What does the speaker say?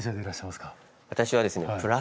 私はですね